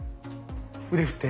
腕振って。